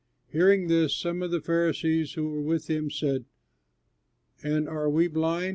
Hearing this, some of the Pharisees who were with him said, "And are we blind?"